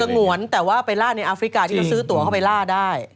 งวนแต่ว่าไปล่าในอาฟริกาที่เขาซื้อตัวเข้าไปล่าได้